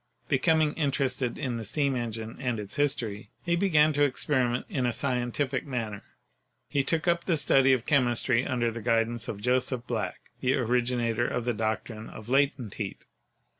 Becoming interested in the steam en gine and its history, he began to experiment in a scientific manner. He took up the study of chemistry under the guidance of Joseph Black, the originator of the doctrine of "latent heat."